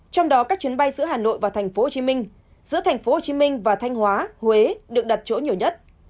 trong đó các chuyến bay giữa hà nội và tp hcm giữa tp hcm và thanh hóa huế được đặt chỗ nhiều nhất